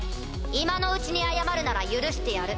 今のうちに謝るなら許してやる。